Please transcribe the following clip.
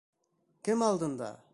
— Кем алдында?